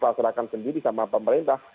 karena kalau di peserakan sendiri sama pemerintah